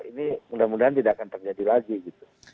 ini mudah mudahan tidak akan terjadi lagi gitu